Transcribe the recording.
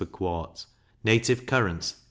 per quart; native currants 8d.